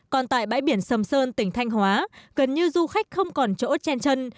còn tại bãi biển sầm sơn tỉnh thanh hóa gần như du khách không còn chỗ chen chân